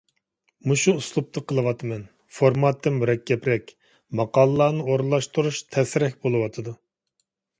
مۇشۇ ئۇسلۇبتا قىلىۋاتىمەن. فورماتى مۇرەككەپرەك ماقالىلەرنى ئورۇنلاشتۇرۇش تەسرەك بولۇۋاتىدۇ.